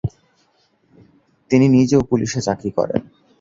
তিনি নিজেও পুলিশে চাকরি করেন।